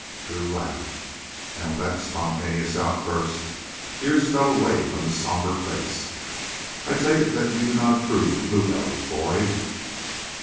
Drew laughed. And with that spontaneous outburst, years fell away from his somber face. "I take it that you do not approve of blue bellies, Boyd?"